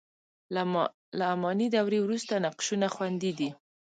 له اماني دورې وروسته نقشونه خوندي دي.